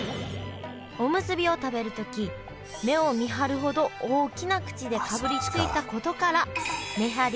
おむすびを食べるとき目をみはるほど大きな口でかぶりついたことからめはり